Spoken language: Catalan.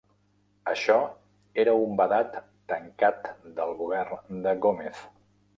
Això era un vedat tancat del govern de Gómez.